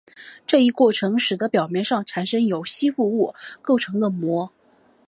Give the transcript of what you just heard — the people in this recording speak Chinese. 这一过程使得表面上产生由吸附物构成的膜。